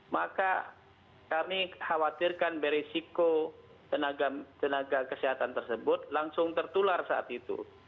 maka kami khawatirkan beresiko tenaga kesehatan tersebut langsung tertular saat itu